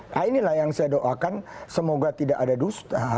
nah inilah yang saya doakan semoga tidak ada dusta